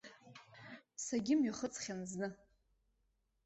Сагьымҩахыҵхьан зны.